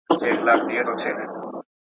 دا دواړه په خپلمنځي جګړه کي ووژل سول